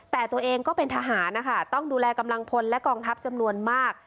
แต่ตัวเองก็เป็นทหารนะคะต้องดูแลกำลังพลและกองทัพจำนวนมาก